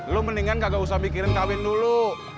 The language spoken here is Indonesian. lo mendingan kagak usah mikirin kawin dulu